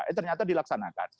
ini ternyata dilaksanakan